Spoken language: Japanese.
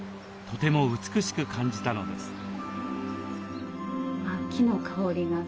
とても美しく感じたのです。